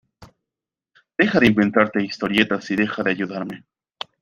deja de inventarte historietas y deja de ayudarme.